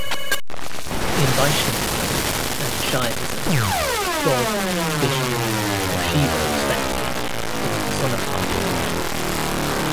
In Vaishnavism and Shaivism, God, Vishnu or Shiva respectively, is personified as male.